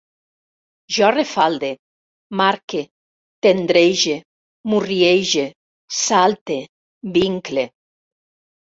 Jo refalde, marque, tendrege, murriege, salte, vincle